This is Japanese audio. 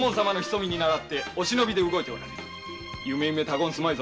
ゆめゆめ他言すまいぞ。